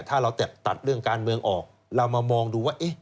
ถ้าเราตัดเรื่องการเมืองออกเรามามองดูว่า